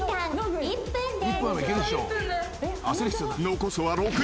［残すは６人。